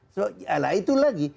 so alah itu lagi